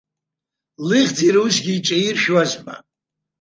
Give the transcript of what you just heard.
Лыхьӡ иара усгьы иҿаиршәуазма!